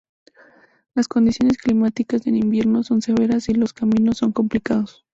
Las condiciones climáticas en invierno son severas y los caminos son complicados.